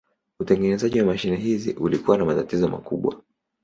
Utengenezaji wa mashine hizi ulikuwa na matatizo makubwa.